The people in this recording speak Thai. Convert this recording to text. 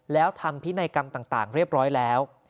แล้วทำพินัยกรรมต่างเรียบร้อยแล้ว